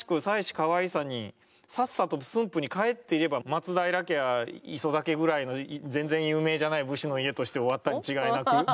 かわいさにさっさと駿府に帰っていれば松平家は磯田家ぐらいの全然有名じゃない武士の家として終わったに違いなく。